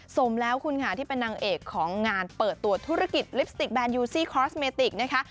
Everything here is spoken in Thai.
สมแล้วคุณค่ะที่เป็นนางเอกของงานเปิดตัวธุรกิจลิปสติกแนนยูซี่คอสเมติกนะคะ